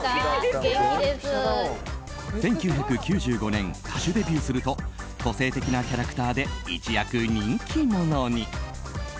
１９９５年歌手デビューすると個性的なキャラクターで一躍人気者に。